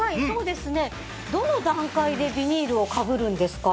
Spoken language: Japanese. どの段階でビニールをかぶるんですか？